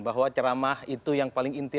bahwa ceramah itu yang paling inti